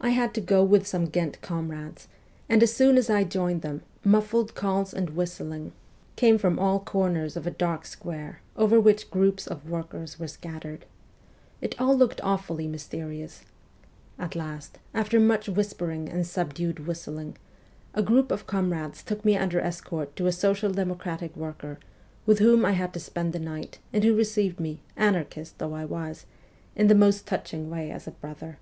I had to go with some Ghent comrades, and as soon as I joined them, muffled calls and whistling . came from 2U MEMOIRS OF A REVOLUTIONIST all corners of a dark square over which groups of workers were scattered. It all looked awfully mysteri ous. At last, after much whispering and subdued whistling, a group of comrades took me under escort to a social democrat worker, with whom I had to spend the night, and who received me, anarchist though I was, in the most touching way as a brother.